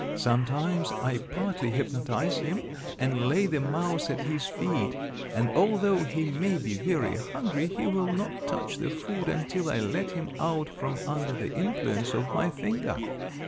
Sometimes I partly hypnotize him and lay the mouse at his feet, and although he may be very hungry he will not touch the food until I let him out from under the influence of my finger.